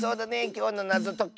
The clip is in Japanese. きょうのなぞとき。